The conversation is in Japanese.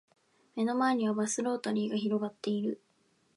目の前にはバスロータリーが広がっている